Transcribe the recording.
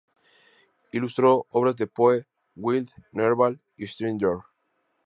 Ilustró obras de Poe, Wilde, Nerval y Strindberg.